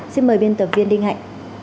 xin mời biên tập viên đinh hạnh